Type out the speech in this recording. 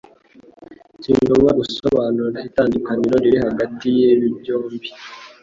Sinshobora gusobanura itandukaniro riri hagati yibi byombi